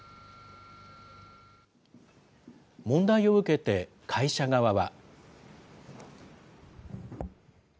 問題を受けて、会社側は。